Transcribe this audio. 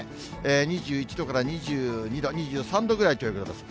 ２１度から２２度、２３度ぐらいということです。